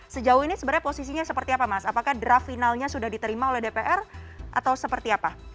sejauh ini sebenarnya posisinya seperti apa mas apakah draft finalnya sudah diterima oleh dpr atau seperti apa